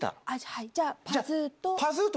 はい、じゃあパズーと。